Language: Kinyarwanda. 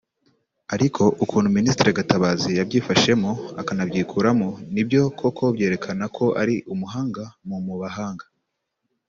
Ariko ukuntu Ministre Gatabazi yabyifashemo akanabyikuramo ni byo koko byerekanaga ko ari umuhanga mu mu bahanga